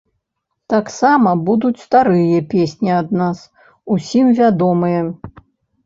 Таксама будуць старыя песні ад нас, усім вядомыя.